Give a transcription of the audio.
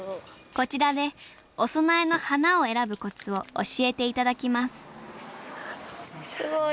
こちらでお供えの花を選ぶコツを教えて頂きますすごい。